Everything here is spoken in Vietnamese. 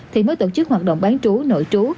thì mới tổ chức hoạt động bán trú nội trú